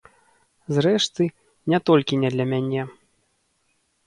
Зрэшты, не толькі не для мяне.